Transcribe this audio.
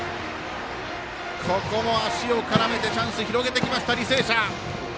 ここも足を絡めてチャンスを広げてきました、履正社。